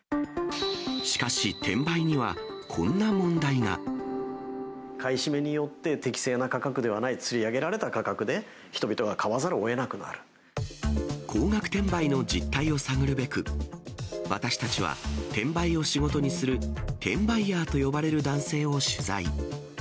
しかし転売には、こんな問題買い占めによって、適正な価格ではないつり上げられた価格で人々が買わざるをえなく高額転売の実態を探るべく、私たちは転売を仕事にする転売ヤーと呼ばれる男性を取材。